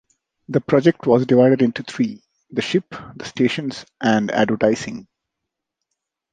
The project was divided into three: the ship; the stations and advertising.